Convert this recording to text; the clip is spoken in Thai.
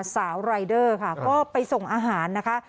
สาวรายเดอร์ค่ะก็ไปส่งอาหารนะคะ